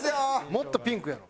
もっとピンクやろ。